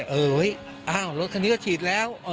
โอ้โฮเฮ้ยอารถคนนี้ก็ฉีดแล้ว